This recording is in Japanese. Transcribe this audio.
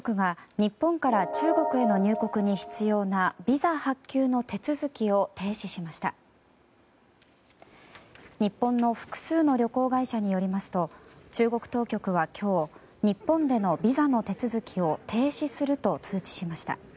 日本の複数の旅行会社によりますと中国当局は、今日日本でのビザの手続きを停止すると通知しました。